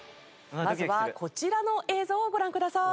まずはこちらの映像をご覧ください。